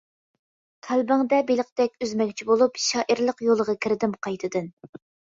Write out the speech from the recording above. قەلبىڭدە بېلىقتەك ئۈزمەكچى بولۇپ، شائىرلىق يولىغا كىردىم قايتىدىن.